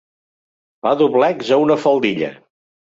Fa doblecs a una faldilla.